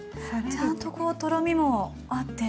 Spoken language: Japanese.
ちゃんとこうとろみもあって。